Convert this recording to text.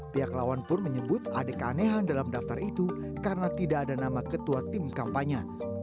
pihak lawan pun menyebut ada keanehan dalam daftar itu karena tidak ada nama ketua tim kampanye